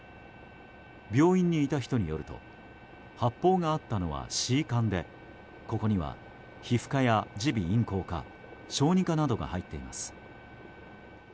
病院にいた人によると発砲があったのはＣ館でここには皮膚科や耳鼻咽喉科小児科などが入っています。